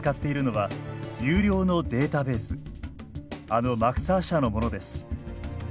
あのマクサー社のものです。